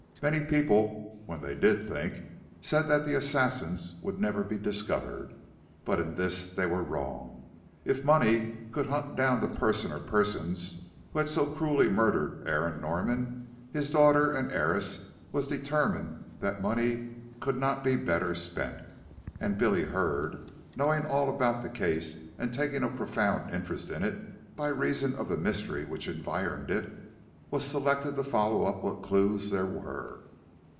Many people, when they did think, said that the assassins would never be discovered, but in this they were wrong. If money could hunt down the person or persons who had so cruelly murdered Aaron Norman, his daughter and heiress was determined that money could not be better spent. And Billy Hurd, knowing all about the case and taking a profound interest in it by reason of the mystery which environed it, was selected to follow up what clues there were.